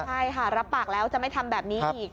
ใช่ค่ะรับปากแล้วจะไม่ทำแบบนี้อีก